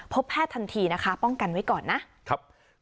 พบแพทย์ทันทีนะคะป้องกันไว้ก่อนนะครับ